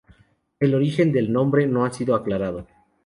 El origen del nombre no ha sido aclarado.